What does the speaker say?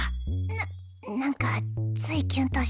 ななんかついキュンとして？